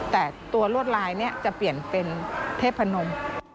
แต่ตัวลวดลายนี้จะเปลี่ยนเป็นเทพนม